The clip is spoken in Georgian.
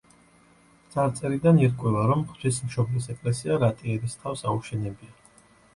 წარწერიდან ირკვევა, რომ ღვთისმშობლის ეკლესია რატი ერისთავს აუშენებია.